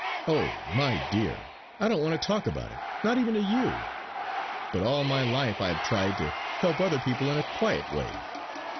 Oh! my dear, I don't want to talk about it, not even to you; but all my life I have tried to help other people in a quiet way.